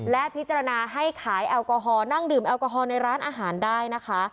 และพิจารณาให้ขายแอลกอฮอลนั่งดื่มแอลกอฮอลในร้านอาหารได้นะคะ